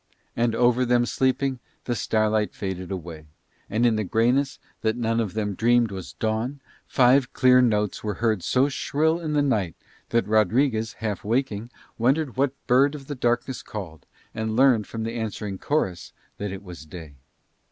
And over them sleeping the starlight faded away, and in the greyness that none of them dreamed was dawn five clear notes were heard so shrill in the night that Rodriguez half waking wondered what bird of the darkness called, and learned from the answering chorus that it was day.